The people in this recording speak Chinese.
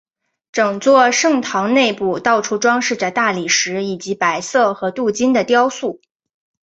整座圣堂内部到处装饰着大理石以及白色和镀金的雕塑。